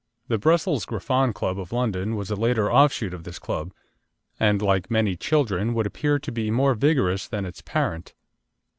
The Brussels Griffon Club of London was a later offshoot of this club, and, like many children, would appear to be more vigorous than its parent.